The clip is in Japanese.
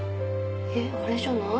えっあれじゃない？